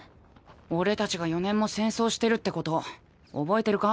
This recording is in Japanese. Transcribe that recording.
俺たちが４年も戦争してるってこと覚えてるか？